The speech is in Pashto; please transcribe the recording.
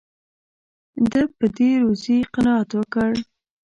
ده په دې روزي قناعت وکړ.